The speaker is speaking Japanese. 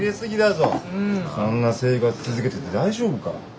そんな生活続けてて大丈夫か。